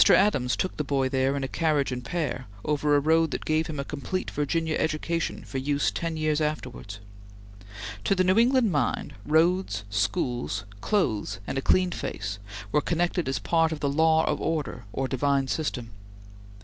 Adams took the boy there in a carriage and pair, over a road that gave him a complete Virginia education for use ten years afterwards. To the New England mind, roads, schools, clothes, and a clean face were connected as part of the law of order or divine system.